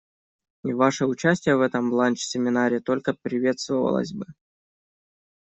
И ваше участие в этом ланч-семинаре только приветствовалось бы.